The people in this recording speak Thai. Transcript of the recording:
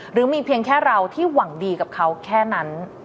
หรือมีเพียงแค่เราที่หวังดีกับเขาแค่นั้น